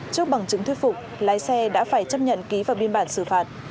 trước bằng chứng thuyết phục lái xe đã phải chấp nhận ký vào biên bản xử phạt